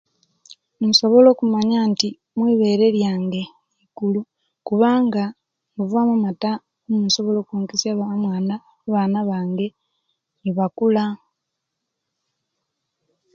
Nsobola okumanya nti mwibeere lwange ikulu kubanga muvamu amata mu nsobola okwonkesia omwana abana bange nebakula